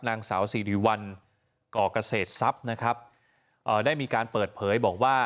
นางสาวสิริวัลก่อเกษตรทรัพย์นะครับเอ่อได้มีการเปิดเผยบอกว่า